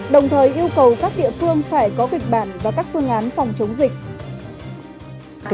đồng thời yêu cầu các địa phương phải có kịch bản và các phương án phòng chống dịch